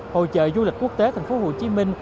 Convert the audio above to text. hội trợ du lịch quốc tế thành phố hồ chí minh